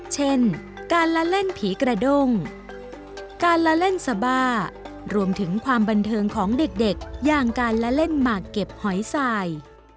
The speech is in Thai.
เช่นการละเล่นผีกระด้งการละเล่นสบารวมถึงความบันเทิงของเด็กอย่างการละเล่นหมากเก็บหอยสาย